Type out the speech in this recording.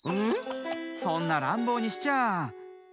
そんならんぼうにしちゃ。